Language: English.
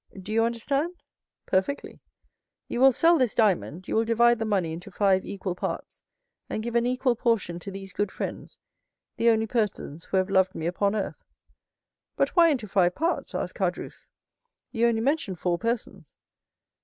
Do you understand?" "Perfectly." "'You will sell this diamond; you will divide the money into five equal parts, and give an equal portion to these good friends, the only persons who have loved me upon earth.'" "But why into five parts?" asked Caderousse; "you only mentioned four persons."